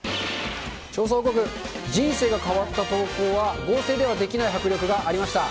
調査報告、人生が変わった投稿は合成ではできない迫力がありました。